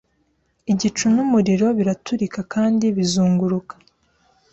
igicu numuriro biraturika kandi bizunguruka